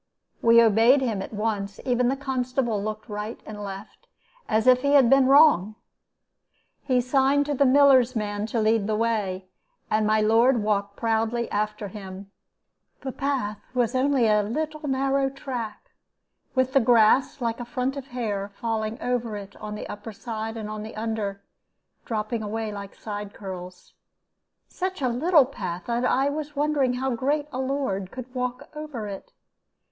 "We obeyed him at once; and even the constable looked right and left, as if he had been wrong. He signed to the miller's man to lead the way, and my lord walked proudly after him. The path was only a little narrow track, with the grass, like a front of hair, falling over it on the upper side and on the under, dropping away like side curls; such a little path that I was wondering how a great lord could walk over it.